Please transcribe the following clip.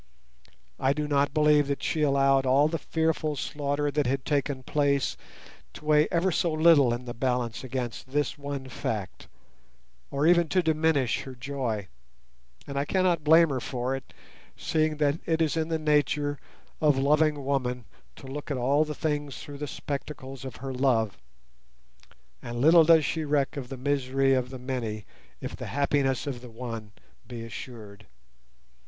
I do not believe that she allowed all the fearful slaughter that had taken place to weigh ever so little in the balance against this one fact, or even to greatly diminish her joy; and I cannot blame her for it, seeing that it is the nature of loving woman to look at all things through the spectacles of her love, and little does she reck of the misery of the many if the happiness of the one be assured.